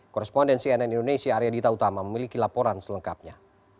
korrespondensi nn indonesia arya dita utama memiliki laporan selengkapnya